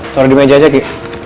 taruh di meja aja ki